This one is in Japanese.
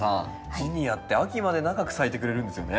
ジニアって秋まで長く咲いてくれるんですよね。